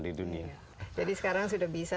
di dunia jadi sekarang sudah bisa